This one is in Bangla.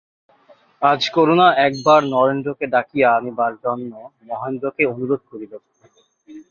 আজ করুণা একবার নরেন্দ্রকে ডাকিয়া আনিবার জন্য মহেন্দ্রকে অনুরোধ করিল।